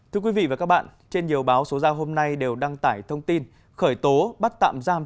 thưa quý vị và các bạn trên nhiều báo số giao hôm nay đều đăng tải thông tin khởi tố bắt tạm giam